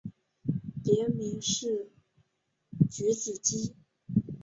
别名是菊子姬。